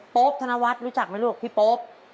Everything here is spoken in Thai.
ป๊บธนวัฒน์รู้จักไหมลูกพี่โป๊ป